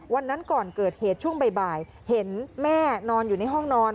วันนั้นก่อนเกิดเหตุช่วงบ่ายเห็นแม่นอนอยู่ในห้องนอน